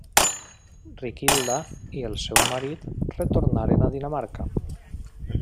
Riquilda i el seu marit retornaren a Dinamarca.